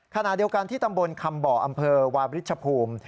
ขณะเดียวกันที่ตำบลคำบ่ออำเภอวาบริชภูมิ